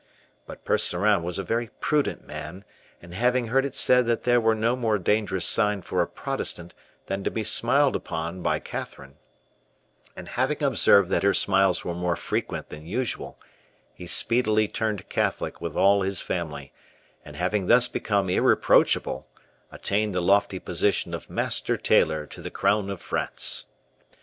But Percerin was a very prudent man; and having heard it said that there was no more dangerous sign for a Protestant than to be smiled up on by Catherine, and having observed that her smiles were more frequent than usual, he speedily turned Catholic with all his family; and having thus become irreproachable, attained the lofty position of master tailor to the Crown of France.